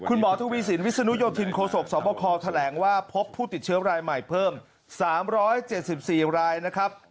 คุณหมอทวีสินวิศนุโยธินโคศกสวบคแถลงว่าพบผู้ติดเชื้อรายใหม่เพิ่ม๓๗๔รายนะครับ